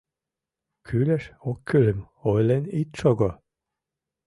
Кӱлеш-оккӱлым ойлен ит шого!